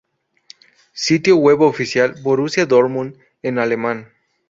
Sitio web oficial Borussia Dortmund, en alemán